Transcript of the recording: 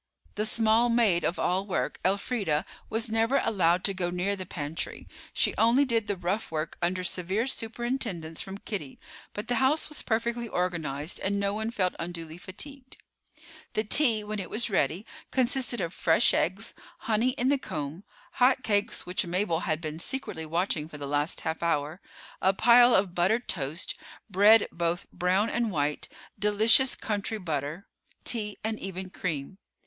The small maid of all work, Elfreda, was never allowed to go near the pantry. She only did the rough work under severe superintendence from Kitty; but the house was perfectly organized, and no one felt unduly fatigued. The tea, when it was ready, consisted of fresh eggs, honey in the comb, hot cakes which Mabel had been secretly watching for the last half hour, a pile of buttered toast, bread both brown and white, delicious country butter, tea, and even cream.